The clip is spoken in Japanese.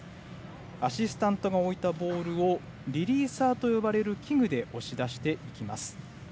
アシスタントが置いたボールをリリーサーという器具で押し出していきます。